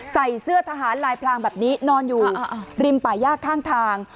ใส่เสื้อทหารลายพรางแบบนี้นอนอยู่ริมป่าย่าข้างทาง